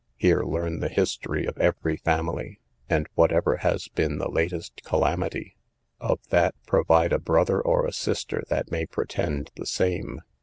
Here learn the history of every family, and whatever has been the latest calamity; of that provide a brother or a sister that may pretend the same.